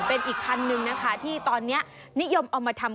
เป็นอีกพันหนึ่งนะคะที่ตอนนี้นิยมเอามาทำ